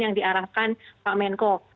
yang diarahkan pak menko